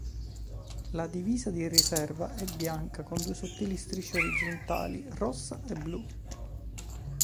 La divisa di riserva è bianca con due sottili strisce orizzontali rossa e blu.